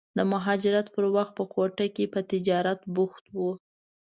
د مهاجرت پر وخت په کوټه کې په تجارت بوخت و.